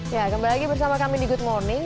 ya kembali bersama kami di good morning